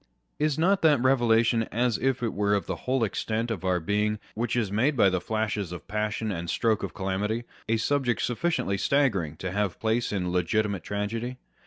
Is not that revelation as it were of the whole extent of our being which is made by the flashes of passion and stroke of calamity, a subject suf ficiently staggering to have place in legitimate tragedy